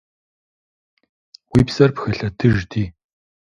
Уи псэр пхэлъэтыжти!